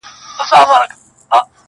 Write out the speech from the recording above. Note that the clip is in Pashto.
خرامانه په سالو کي ګرځېدي مین دي کړمه٫